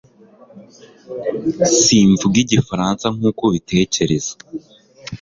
Simvuga Igifaransa nkuko ubitekereza